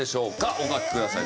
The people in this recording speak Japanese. お書きください。